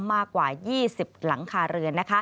มากกว่า๒๐หลังคาเรือน